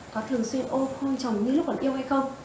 có thường xuyên ôm chồng như lúc còn yêu hay không